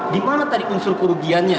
di mana tadi unsur kerugiannya